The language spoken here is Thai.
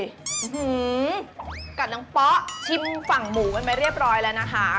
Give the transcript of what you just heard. อื้อหือกัดน้ำป๊อกชิมฝั่งหมูมันมาเรียบร้อยแล้วนะคะ